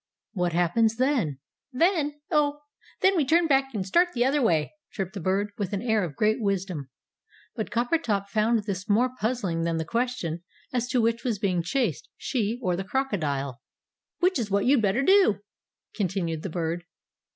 "What happens then?" "Then! Oh, then we turn back and start the other way," chirped the Bird, with an air of great wisdom. But Coppertop found this more puzzling than the question as to which was being chased, she or the crocodile. "Which is what you'd better do," continued the Bird.